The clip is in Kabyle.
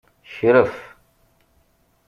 Kref.